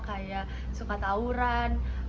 kayak suka tawuran